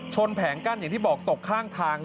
แผงกั้นอย่างที่บอกตกข้างทาง